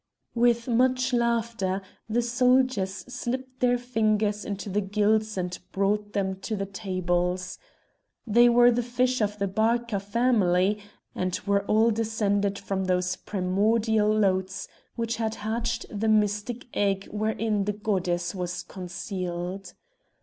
With much laughter the soldiers slipped their fingers into the gills and brought them to the tables. They were the fish of the Barca family, and were all descended from those primordial lotes which had hatched the mystic egg wherein the goddess was concealed.